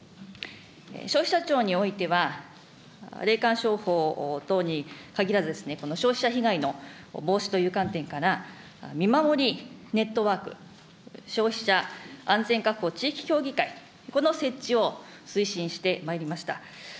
消費者庁においては、霊感商法等にかぎらず、この消費者被害の防止という観点から、見守りネットワーク、消費者安全確保地域協議会、この設置を推進してまいりました。